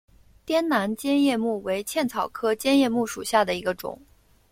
滇南尖叶木为茜草科尖叶木属下的一个种。